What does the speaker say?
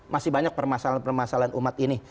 masih banyak permasalahan permasalahan umat ini